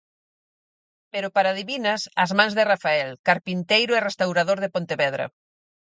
Pero para divinas, as mans de Rafael, carpinteiro e restaurador de Pontevedra.